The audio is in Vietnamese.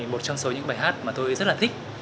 một trong số những bài hát mà tôi rất là thích